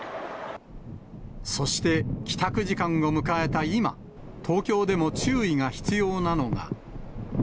そして、帰宅時間を迎えた今、東京でも注意が必要なのが。